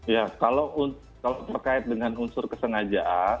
ya kalau terkait dengan unsur kesengajaan